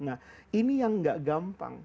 nah ini yang gak gampang